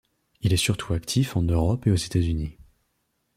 Il est surtout actif en Europe et aux États-Unis.